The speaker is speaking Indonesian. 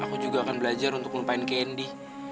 aku juga akan belajar untuk lupain candy